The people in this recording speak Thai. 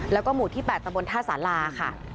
แล้วก็หมู่ที่๘ตำบลท่าสาราค่ะ